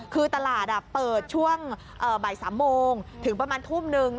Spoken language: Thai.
คือตลาดเปิดช่วงบ่าย๓โมงถึงประมาณทุ่มนึง